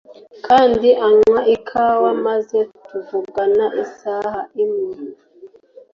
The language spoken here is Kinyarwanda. Kandi anywa ikawa maze tuvugana isaha imwe